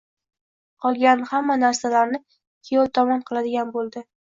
Qolgan hamma narsalarni kuyov tomon qiladigan boʻldi.